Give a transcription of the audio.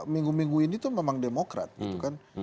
minggu minggu ini tuh memang demokrat gitu kan